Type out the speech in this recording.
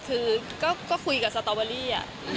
คือก็คุยกับสตอเบอรี่